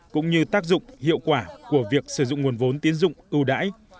cũng như tác dụng hiệu quả của việc sử dụng nguồn vốn tiến dụng ưu đãi